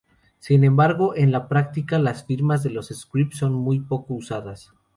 Sin embargo, en la práctica, las firmas de scripts son muy poco usadas.